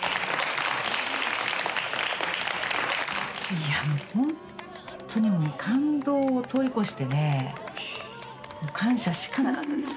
いやもうほんとにもう感動を通り越してね感謝しかなかったです。